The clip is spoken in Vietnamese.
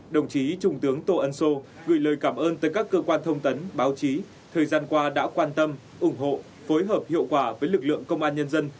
đồng chí trung tướng tô ân sô gửi lời cảm ơn tới các cơ quan thông tấn báo chí thời gian qua đã quan tâm ủng hộ phối hợp hiệu quả với lực lượng công an nhân dân